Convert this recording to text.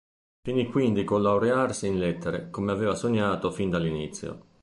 Finì quindi col laurearsi in lettere, come aveva sognato fin dall'inizio.